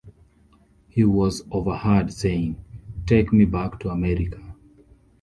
He was overheard saying, Take me back to America.